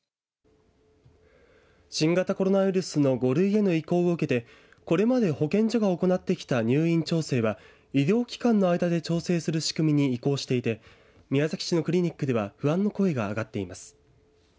新型コロナウイルスの５類への移行を受けてこれまで保健所が行ってきた入院調整は医療機関の間で調整する仕組みに移行していて宮崎市のクリニックでは不安の声が上がっています。